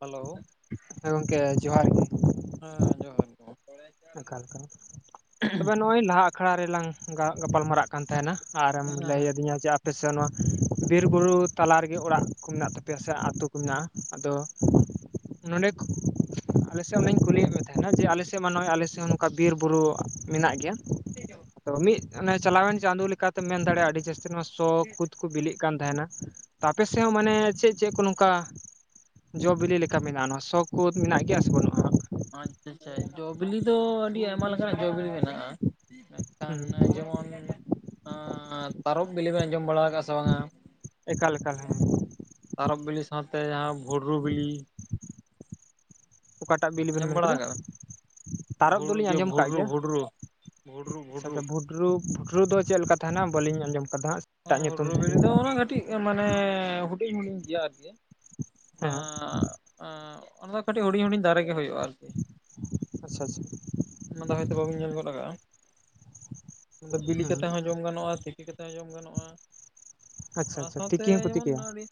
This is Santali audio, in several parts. ᱦᱮᱞᱳ ᱾ ᱦᱮᱸ ᱜᱚᱝᱠᱮ ᱡᱚᱦᱟᱨ ᱜᱮ ᱾ ᱦᱮᱸ ᱡᱚᱦᱟᱨ ᱡᱚᱦᱟᱨ [unintelligible] ᱮᱠᱟᱞ ᱮᱠᱟᱞ ᱛᱚᱵᱮ ᱱᱚᱜᱼᱚᱭ ᱱᱟᱦᱟᱜ ᱟᱠᱷᱲᱟ ᱨᱮᱞᱟᱝ ᱜᱟ ᱜᱟᱯᱟᱞ ᱢᱟᱨᱟᱜ ᱛᱟᱦᱮᱱᱟ, ᱟᱨᱮᱢ ᱦᱮᱸ ᱞᱟᱹᱭ ᱦᱮᱸ ᱟᱹᱫᱤᱧᱟ ᱡᱮ ᱟᱯᱮ ᱥᱮ ᱱᱚᱣᱟ, ᱵᱤᱨ ᱵᱩᱨᱩ ᱛᱟᱞᱟ ᱨᱮᱜᱮ ᱚᱲᱟᱜ ᱠᱚ ᱢᱮᱱᱟᱜ ᱛᱟᱯᱮᱭᱟ ᱥᱮ ᱟᱛᱳ ᱠᱚ ᱢᱮᱱᱟᱜᱼᱟ ᱾ ᱟᱫᱚ, ᱱᱚᱰᱮ ᱟᱞᱮᱥᱮᱫ ᱚᱱᱮᱧ ᱠᱩᱞᱤᱭᱮᱫ ᱢᱮ ᱛᱟᱦᱮᱱᱟ ᱡᱮ ᱟᱞᱮᱥᱮᱫ ᱢᱟ ᱱᱚᱜᱼᱚᱭ ᱟᱞᱮᱥᱮᱫ ᱦᱚᱸ ᱱᱚᱝᱠᱟ ᱵᱤᱨ ᱵᱩᱨᱩ ᱢᱮᱱᱟᱜ ᱜᱮᱭᱟ ᱾ [unintelligible] ᱟᱫᱚ ᱢᱤᱫ ᱚᱱᱮ ᱪᱟᱞᱟᱣᱮᱱ ᱪᱟᱸᱫᱳ ᱞᱮᱠᱟᱛᱮᱢ ᱢᱮᱱ ᱫᱟᱲᱮᱭᱟᱜᱼᱟ ᱟᱹᱰᱤ ᱡᱟᱹᱥᱛᱤ ᱱᱚᱣᱟ ᱥᱚ ᱠᱩᱛ ᱠᱚ ᱵᱤᱞᱤᱜ ᱠᱟᱱ ᱛᱟᱦᱮᱱᱟ ᱾ ᱛᱚ ᱟᱯᱮ ᱥᱮᱫ ᱦᱚᱸ ᱢᱟᱱᱮ ᱪᱮᱫ ᱪᱮᱫ ᱠᱚ ᱱᱚᱝᱠᱟ ᱡᱚ ᱵᱤᱞᱤ ᱞᱮᱠᱟ ᱢᱮᱱᱟᱜᱼᱟ ᱱᱚᱣᱟ ᱥᱚ ᱠᱳᱛ ᱢᱮᱱᱟᱜ ᱜᱮᱭᱟ ᱥᱮ ᱵᱟᱹᱱᱩᱜᱼᱟ? ᱟᱪᱪᱷᱟ ᱟᱪᱪᱷᱟ, ᱡᱚ ᱵᱤᱞᱤ ᱫᱚ ᱟᱹᱰᱤ ᱟᱭᱢᱟ ᱞᱮᱠᱟᱱᱟᱜ ᱡᱚ ᱵᱤᱞᱤ ᱢᱮᱱᱟᱜᱼᱟ ᱾ ᱦᱩᱸ ᱱᱟᱜᱠᱷᱟᱱ ᱡᱮᱢᱚᱱ ᱟᱸ ᱛᱟᱨᱚᱯ ᱵᱤᱞᱤ ᱵᱤᱱ ᱟᱡᱚᱢ ᱵᱟᱲᱟ ᱠᱟᱜᱼᱟ ᱥᱮ ᱵᱟᱝᱟ? ᱮᱠᱟᱞ ᱮᱠᱟᱞ ᱦᱮᱸ ᱛᱟᱨᱚᱯ ᱵᱤᱞᱤ ᱥᱟᱶᱛᱮ ᱡᱟᱦᱟᱸ ᱵᱷᱰᱨᱩ ᱵᱤᱞᱤ ᱚᱠᱟᱴᱟᱜ ᱵᱤᱞᱤ ᱵᱮᱱ ᱟᱸᱡᱚᱢ ᱢᱮᱱ ᱵᱟᱲᱟ ᱠᱮᱫᱟ ᱠᱟᱜᱼᱟ [unintelligible] ᱛᱟᱨᱚᱵ ᱵᱷᱩᱰᱨᱩ ᱫᱚᱞᱤᱧ ᱤᱭᱟᱹ ᱟᱸᱡᱚᱢ ᱠᱟᱜ ᱵᱷᱩᱰᱨᱩ ᱜᱮᱭᱟ ᱵᱷᱩᱰᱨᱩ ᱾ ᱵᱷᱩᱰᱨᱩ ᱵᱷᱩᱰᱨᱩ ᱾ ᱯᱷᱩᱴᱨᱩ ᱯᱷᱩᱴᱨᱩ ᱫᱚ ᱪᱮᱫ ᱞᱮᱠᱟ ᱛᱟᱦᱮᱸᱱᱟ? ᱵᱟᱹᱞᱤᱧ ᱟᱸᱡᱚᱢ ᱠᱟᱫᱟ ᱦᱟᱸᱜ ᱾ ᱦᱮᱸ ᱵᱷᱩᱰᱨᱩ ᱵᱤᱞᱤ ᱫᱚ ᱚᱱᱮ ᱠᱟᱹᱴᱤᱡ ᱢᱟᱱᱮ ᱦᱩᱰᱤᱧ ᱜᱮᱭᱟ ᱟᱨᱠᱤ ᱾ ᱦᱮᱸ ᱾ ᱟᱸ ᱚᱱᱟ ᱫᱚ ᱠᱟᱹᱴᱤᱡ ᱦᱩᱰᱤᱧ ᱦᱩᱰᱤᱧ ᱫᱟᱨᱮ ᱜᱮ ᱦᱩᱭᱩᱜᱼᱟ ᱟᱨᱠᱤ ᱾ ᱟᱪᱪᱷᱟ ᱟᱪᱪᱷᱟ ᱾ ᱚᱱᱟᱫᱟ ᱦᱚᱭᱛᱳ ᱵᱟᱵᱤᱱ ᱧᱮᱞ ᱜᱚᱫ ᱠᱟᱜᱼᱟ, ᱚᱱᱟ ᱫᱚ ᱵᱤᱞᱤ ᱦᱮᱸ ᱠᱟᱛᱮ ᱦᱚᱸ ᱡᱚᱢ ᱜᱟᱱᱚᱜᱼᱟ ᱛᱤᱠᱤ ᱠᱟᱛᱮ ᱦᱚᱸ ᱡᱚᱢ ᱜᱟᱱᱚᱜᱼᱟ ᱟᱪᱪᱷᱟ ᱚᱱᱟ ᱟᱪᱪᱷᱟ ᱥᱟᱶᱛᱮ ᱛᱤᱠᱤ ᱦᱚᱸᱠᱚ ᱡᱮᱢᱚᱱ ᱛᱤᱠᱤᱭᱟ ᱟᱹᱰᱤ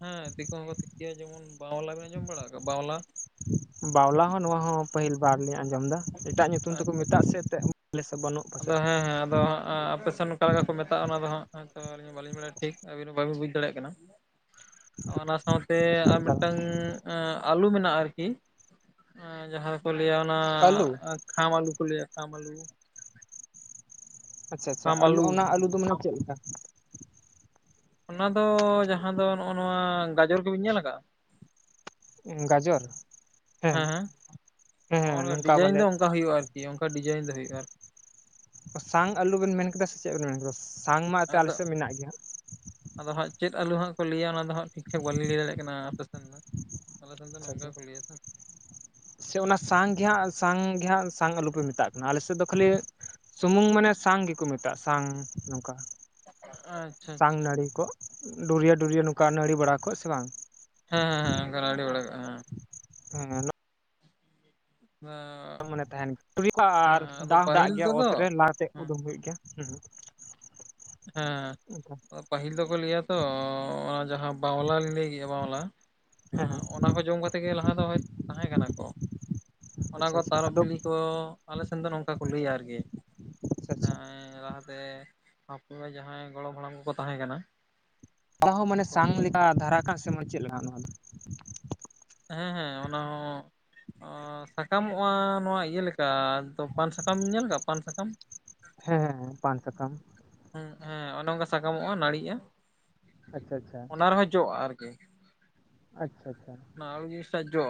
ᱦᱮᱸ ᱛᱤᱠᱤ ᱦᱚᱸᱠᱚ ᱛᱮᱠᱮᱭᱟ, ᱡᱮᱢᱚᱱ ᱵᱟᱣᱞᱟ ᱵᱮᱱ ᱟᱸᱡᱚᱢ ᱵᱟᱲᱟ ᱠᱟᱜᱼᱟ ᱵᱟᱣᱞᱟ? ᱵᱟᱣᱞᱟ ᱦᱚᱸ ᱱᱚᱣᱟ ᱦᱚᱸ ᱯᱟᱹᱦᱤᱞ ᱵᱟᱨ ᱞᱤᱧ ᱟᱸᱡᱚᱢ ᱫᱟ ᱾ ᱮᱴᱟᱜ ᱧᱩᱛᱩᱢ ᱛᱮᱠᱚ ᱟᱪᱪᱷᱟ ᱢᱮᱛᱟᱜ ᱥᱮ ᱮᱛᱮ, ᱟᱞᱮ ᱥᱮᱫ ᱫᱚ ᱵᱟᱹᱱᱩᱜ ᱾ ᱟᱫᱚ ᱦᱮᱸ ᱦᱮᱸ ᱟᱫᱚ ᱦᱟᱜ ᱮᱸ ᱟᱯᱮᱥᱮᱱ ᱠᱟ ᱞᱮᱠᱟ ᱠᱚ ᱢᱮᱛᱟᱜᱼᱟ ᱚᱱᱟ ᱫᱚ ᱦᱟᱜ ᱟᱹᱞᱤᱧ ᱦᱚᱸ ᱵᱟᱹᱞᱤᱧ ᱵᱟᱲᱟᱭᱟ ᱴᱷᱤᱠ ᱟᱵᱤᱱ ᱵᱟᱹᱵᱤᱱ ᱵᱩᱡᱽ ᱫᱟᱲᱮᱭᱟᱜ ᱠᱟᱱᱟ ᱾ ᱚᱱᱟ ᱥᱟᱶᱛᱮ ᱟᱨ ᱢᱤᱫᱴᱟᱝ ᱟᱞᱩ ᱢᱮᱱᱟᱜᱼᱟ ᱟᱨᱠᱤ ᱾ ᱡᱟᱦᱟᱸ ᱠᱚ ᱞᱟᱹᱭᱟ ᱚᱱᱟ ᱟᱹᱞᱩ ᱠᱷᱟᱢ ᱟᱞᱩ ᱠᱚ ᱞᱟᱹᱭᱟ ᱠᱷᱟᱢ ᱟᱞᱩ ᱾ ᱟᱪᱪᱷᱟ ᱟᱪᱪᱷᱟ ᱠᱷᱟᱢ ᱟᱞᱩ ᱟᱹᱞᱩ ᱚᱱᱟ ᱟᱞᱩ ᱫᱚ ᱢᱟᱱᱮ ᱪᱮᱫ ᱞᱮᱠᱟ? ᱚᱱᱟ ᱫᱚ ᱡᱟᱦᱟᱸ ᱫᱚ ᱱᱚᱜᱼᱚ ᱱᱚᱣᱟ ᱜᱟᱡᱚᱨ ᱠᱚ ᱵᱤᱱ ᱧᱮᱞ ᱟᱠᱟᱜ -ᱟ? ᱜᱟᱡᱚᱨ ᱦᱮᱸ ᱦᱮᱸ ᱦᱮᱸ ᱦᱚᱸᱜᱼᱚ ᱱᱚᱝᱠᱟ ᱰᱤᱡᱟᱭᱤᱱ ᱵᱚᱞᱮ ᱫᱚ ᱚᱱᱠᱟ ᱦᱩᱭᱩᱜᱼᱟ ᱟᱨ ᱠᱤ ᱚᱱᱠᱟ ᱰᱤᱡᱟᱭᱤᱱ ᱫᱚ ᱦᱩᱭᱩᱜ ᱟᱨ ᱾ ᱥᱟᱝ ᱟᱞᱩ ᱵᱮᱱ ᱢᱮᱱ ᱠᱮᱫᱟ ᱥᱮ ᱪᱮᱫ ᱵᱮᱱ ᱢᱮᱱ ᱠᱮᱫᱟ? ᱥᱟᱝ ᱢᱟ ᱮᱛᱮ ᱟᱞᱮ ᱟᱫᱚ ᱥᱮᱫ ᱢᱮᱱᱟᱜ ᱜᱮᱭᱟ ᱦᱟᱜ ᱾ ᱟᱫᱚ ᱦᱟᱸᱜ ᱪᱮᱫ ᱟᱞᱩ ᱦᱟᱸᱜ ᱠᱚ ᱞᱟᱹᱭᱟ ᱚᱱᱟ ᱫᱚ ᱦᱟᱸᱜ ᱴᱷᱤᱠ ᱴᱷᱟᱠ ᱵᱟᱞᱤᱧ ᱞᱟᱹᱭ ᱫᱟᱲᱮᱜ ᱠᱟᱱᱟ ᱟᱯᱮ ᱥᱮᱱ ᱫᱚ ᱾ ᱟᱞᱮ ᱥᱮᱱ ᱫᱚ ᱟᱪᱪᱷᱟ ᱱᱚᱝᱠᱟ ᱟᱪᱪᱷᱟ ᱠᱚ ᱞᱟᱹᱭᱟ ᱛᱚ ᱾ ᱥᱮ ᱚᱱᱟ ᱥᱟᱝ ᱜᱮ ᱦᱟᱸᱜ ᱥᱟᱝ ᱜᱮ ᱦᱟᱸᱜ ᱥᱟᱝ ᱟᱞᱩ ᱯᱮ ᱢᱮᱛᱟᱜ ᱠᱟᱱᱟ, ᱟᱞᱮ ᱥᱮᱫ ᱫᱚ ᱠᱷᱟᱹᱞᱤ ᱥᱩᱢᱩᱝ ᱢᱟᱱᱮ ᱥᱟᱝ ᱜᱮᱠᱚ ᱢᱮᱛᱟᱜᱼᱟ ᱥᱟᱝ ᱱᱚᱝᱠᱟ ᱟᱪᱪᱷᱟ ᱾ ᱥᱟᱝ ᱟᱪᱪᱷᱟ ᱱᱟᱹᱲᱤ ᱠᱚᱜ ᱰᱩᱨᱭᱟᱹ ᱰᱩᱨᱭᱟᱹ ᱱᱚᱝᱠᱟ ᱱᱟᱹᱲᱤ ᱵᱟᱲᱟ ᱠᱚᱜ ᱥᱮ ᱵᱟᱝ? ᱦᱮᱸ ᱦᱮᱸ ᱦᱮᱸ ᱚᱱᱠᱟ ᱱᱟᱹᱲᱤ ᱵᱟᱲᱟ ᱠᱚᱜ-ᱟ ᱦᱮᱸ ᱾ ᱦᱮᱸ ᱦᱮᱞᱳ, ᱚᱱᱟ ᱢᱟᱱᱮ ᱛᱟᱦᱮᱱ ᱜᱮᱭᱟ ᱟᱨ, ᱫᱟᱣ ᱦᱚᱸ ᱫᱟᱜ ᱜᱮᱭᱟ ᱛᱮᱫᱚ ᱚᱛ ᱨᱮ, ᱞᱟᱠᱟᱛᱮ ᱠᱚ ᱦᱮᱸ ᱫᱚᱦᱚ ᱮᱫ ᱜᱮᱭᱟ ᱦᱮᱸ᱾ ᱦᱮᱸ, ᱚᱱᱠᱟ ᱯᱟᱹᱦᱤᱞ ᱫᱚᱠᱚ ᱞᱟᱹᱭᱟ ᱛᱚ, ᱚᱱᱟ ᱡᱟᱦᱟᱸ ᱵᱟᱣᱞᱟ ᱞᱤᱧ ᱞᱟᱹᱭ ᱠᱮᱜᱼᱟ, ᱵᱟᱣᱞᱟ ᱦᱮᱸ ᱦᱮᱸ ᱚᱱᱟ ᱠᱚ ᱡᱚᱢ ᱠᱟᱛᱮᱫ ᱜᱮ, ᱞᱟᱦᱟ ᱫᱚᱭ ᱦᱚᱭᱛᱚ ᱛᱟᱦᱮᱸ ᱠᱟᱱᱟ ᱠᱚ? ᱚᱱᱟ ᱟᱪᱪᱷᱟ ᱠᱚ ᱟᱪᱪᱷᱟ ᱛᱟᱨᱚᱵ ᱟᱫᱚ ᱵᱤᱞᱤ ᱠᱚ, ᱟᱞᱮ ᱥᱮᱱ ᱫᱚ ᱱᱚᱝᱠᱟ ᱠᱚ ᱞᱟᱹᱭᱟ ᱟᱨᱠᱤ᱾ ᱟᱪᱪᱷᱟ ᱮᱸ ᱟᱪᱪᱷᱟ ᱞᱟᱦᱟᱛᱮ ᱟᱛᱳ ᱨᱮ, ᱡᱟᱦᱟᱸᱭ ᱜᱚᱲᱚᱢ ᱦᱟᱲᱟᱢ ᱠᱚᱠᱚ ᱛᱟᱦᱮᱸᱠᱟᱱᱟ᱾ ᱚᱱᱟ ᱦᱚᱸ ᱢᱟᱱᱮ ᱥᱟᱝ ᱞᱮᱠᱟ, ᱫᱷᱟᱨᱟ ᱠᱟᱜ ᱥᱮ ᱢᱟᱱᱮ ᱪᱮᱫ ᱞᱮᱠᱟ ᱱᱚᱶᱟ ᱫᱚ? ᱦᱮᱸ, ᱦᱮᱸ, ᱚᱱᱟ ᱦᱚᱸ ᱚ ᱥᱟᱠᱟᱢᱚᱜᱼᱟ, ᱱᱚᱶᱟ ᱤᱭᱟᱹ ᱞᱮᱠᱟ ᱫᱚ ᱯᱟᱱ ᱥᱟᱠᱟᱢ, ᱧᱮᱞ ᱠᱟᱜᱼᱟ ᱯᱟᱱ ᱥᱟᱠᱟᱢ? ᱦᱮᱸ, ᱦᱮᱸ, ᱯᱟᱱ ᱥᱟᱠᱟᱢ ᱾ ᱦᱮᱸ, ᱦᱮᱸ ᱚᱱᱮ ᱚᱱᱠᱟ ᱥᱟᱠᱟᱢᱚᱜᱼᱟ, ᱱᱟᱹᱲᱤᱜᱼᱟ᱾ ᱟᱪᱪᱷᱟ, ᱟᱪᱪᱷᱟ᱾ ᱚᱱᱟ ᱨᱮᱦᱚᱸ ᱡᱚᱜᱼᱟ ᱟᱨᱠᱤ᱾ ᱟᱪᱪᱷᱟ, ᱟᱪᱪᱷᱟ᱾ ᱟᱨ ᱞᱤᱧ ᱥᱟᱡᱼᱟ᱾